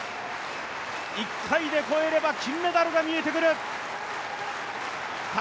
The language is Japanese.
１回で越えれば金メダルが見えてくる。